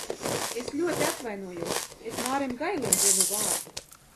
Es ļoti atvainojos, es Mārim Gailim devu vārdu!